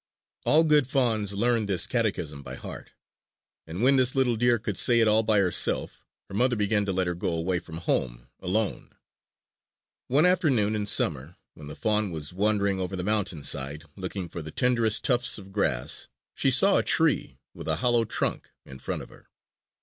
All good fawns learn this catechism by heart; and when this little deer could say it all by herself, her mother began to let her go away from home alone. One afternoon in summer, when the fawn was wandering over the mountain side looking for the tenderest tufts of grass, she saw a tree with a hollow trunk in front of her.